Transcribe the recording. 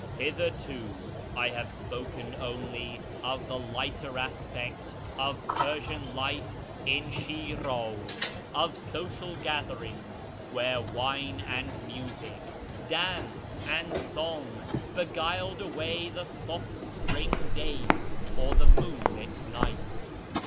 Hitherto I have spoken only of the lighter aspect of Per sian life in Shiraz ; of social gatherings where wine and music, dance and song, beguiled away the soft spring days, or the moonlit nights.